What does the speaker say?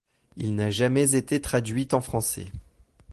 Il n'a jamais été traduit en français.